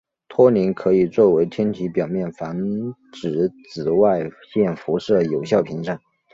托林可以作为天体表面防止紫外线辐射的有效屏障。